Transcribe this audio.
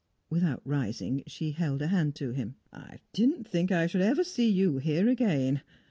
Without rising, she held a hand to him. "I didn't think I should ever see you here again.